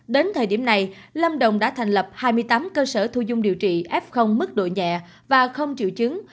đến thời điểm này lâm đồng đã thành lập hai mươi tám cơ sở thu dung điều trị f mức độ nhẹ và không chịu chứng